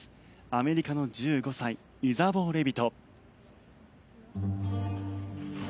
アメリカの１５歳イザボー・レビト。